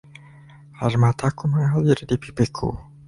Air mataku mengalir di pipiku.